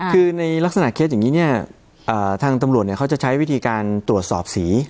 คือในลักษณะเคสอย่างนี้เนี่ยทางตำรวจเขาจะใช้วิธีการตรวจสอบสี